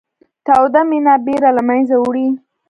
توده مینه بېره له منځه وړي